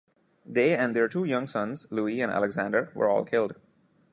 They and their two young sons, Louis and Alexander, were all killed.